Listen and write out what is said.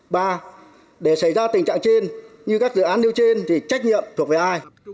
ba để xảy ra tình trạng trên như các dự án nêu trên thì trách nhiệm thuộc về ai